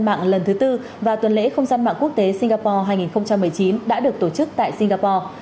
mạng lần thứ tư và tuần lễ không gian mạng quốc tế singapore hai nghìn một mươi chín đã được tổ chức tại singapore